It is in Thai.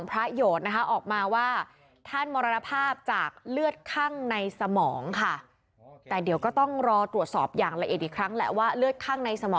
เพราะว่าอยากจะฉันด้วยหรือเปล่า